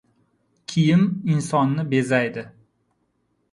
• Kiyim insonni bezaydi.